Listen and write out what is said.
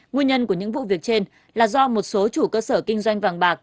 nguyên nhân của những vụ việc trên là do một số chủ cơ sở kinh doanh vàng bạc